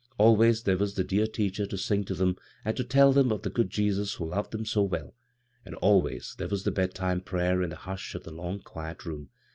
Always there was the dear teacher to ^g to them, and to tell them of the good Jesus who loved them so well ; and always there was the bedtime prayer in the hush of the long, quiet room.